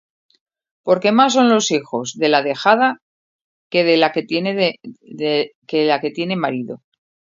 Porque más son los hijos de la dejada, que de la que tiene marido.